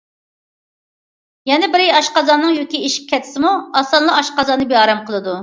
يەنە بىرى، ئاشقازاننىڭ يۈكى ئېشىپ كەتسىمۇ ئاسانلا ئاشقازىنى بىئارام بولىدۇ.